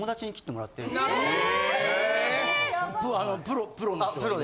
プロの人に？